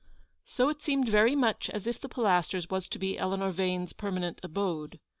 So it seemed very much as if the Pilasters was to be Eleanor Vane's permanent abode.